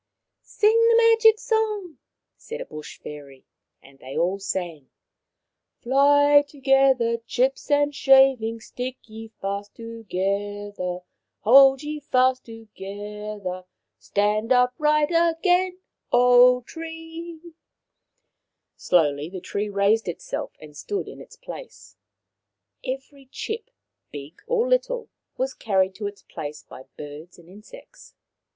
" Sing the Magic song," said a bush fairy. They all sang —" Fly together, chips and shavings, Stick ye fast together, Hold ye fast together ; Stand upright again, O tree 1 " Slowly the tree raised itself and stood in its place. Every chip, big or little, was carried to its place by birds and insects.